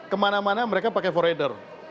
kemana mana mereka pakai foreder